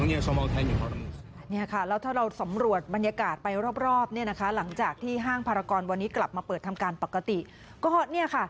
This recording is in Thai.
แล้วถ้าหากเราสำรวจบรรยากาศไปรอบหลังจากที่ห้างภารกรวรรณ์วันนี้กลับมาเผิดทำการปกติ